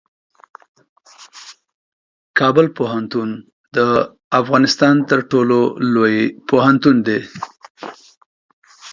کابل پوهنتون د افغانستان تر ټولو لوی پوهنتون دی.